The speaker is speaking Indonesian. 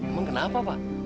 emang kenapa pak